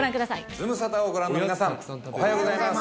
ズムサタをご覧の皆さん、おはようございます。